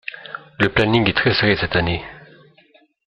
Le planning est très serré cette année.